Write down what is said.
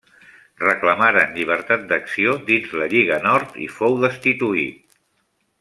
Reclamaren llibertat d'acció dins la Lliga Nord i fou destituït.